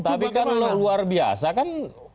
tapi kan luar biasa kan